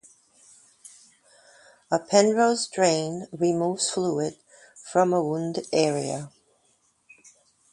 A Penrose drain removes fluid from a wound area.